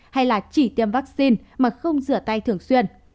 hay là chỉ tiêm vaccine mà không rửa tay thường xuyên